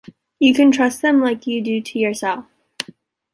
You can trust them like you do to yourself.